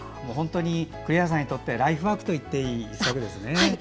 栗原さんにとってライフワークといっていいですね。